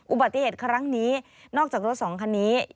อุบัติเหตุครั้งนี้นอกจากรถสองคันนี้